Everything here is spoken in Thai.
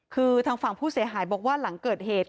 คือทางฝั่งผู้เสียหายบอกว่าหลังเกิดเหตุ